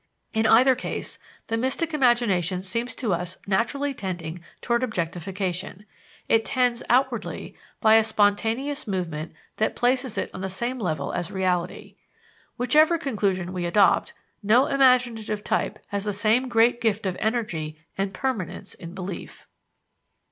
In either case, the mystic imagination seems to us naturally tending toward objectification. It tends outwardly, by a spontaneous movement that places it on the same level as reality. Whichever conclusion we adopt, no imaginative type has the same great gift of energy and permanence in belief.